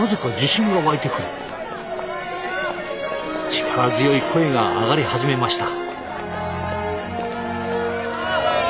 力強い声が上がり始めました。